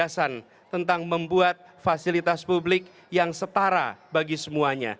selamat ulang tahun